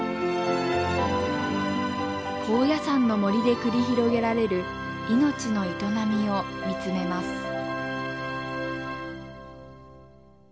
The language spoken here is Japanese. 高野山の森で繰り広げられる命の営みを見つめます。